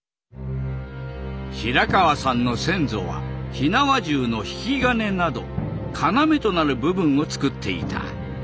平川さんの先祖は火縄銃の引き金など要となる部分を作っていた。